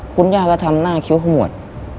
คุณย่าก็ทำหน้าคิ้วขมวด